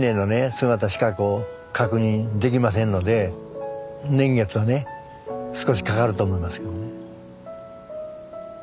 姿しか確認できませんので年月はね少しかかると思いますけどね。